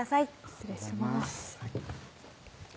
失礼します